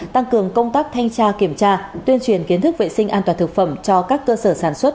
tăng cường công tác thanh tra kiểm tra tuyên truyền kiến thức vệ sinh an toàn thực phẩm cho các cơ sở sản xuất